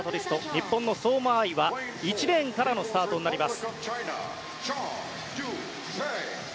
日本の相馬あいは１レーンからのスタートになります。